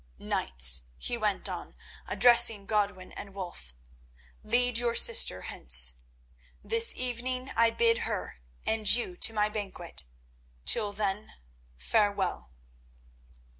"Knights," he went on, addressing Godwin and Wulf, "lead your sister hence. This evening I bid her, and you to my banquet. Till then, farewell.